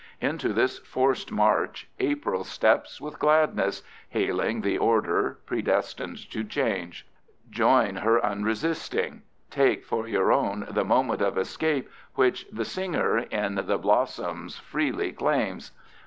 Into this forced march April steps with gladness, hailing the order, predestined to change. Joining her unresisting, take for your own the moment of escape which the singer in the blossoms freely claims.